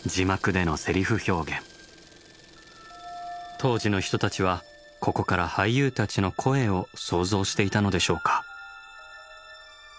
当時の人たちはここから俳優たちの声を想像していたのでしょうか。